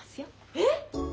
えっ！？